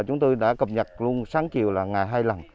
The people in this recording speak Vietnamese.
chúng tôi đã cập nhật luôn sáng chiều là ngày hai lần